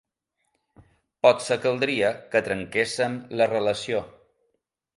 Potser caldria que trenquéssem la relació.